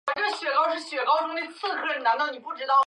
成年后只能通过牙齿正畸和截骨整形进行治疗。